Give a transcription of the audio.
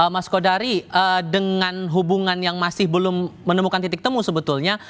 mas kodari dengan hubungan yang masih belum menemukan titik temu sebetulnya